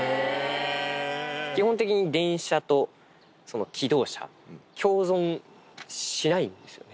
基本的に電車と気動車、共存しないんですよね。